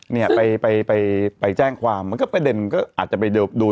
เนี่ยไปไปไปไปแจ้งความมันก็ไปเดินก็อาจจะไปเดิบดู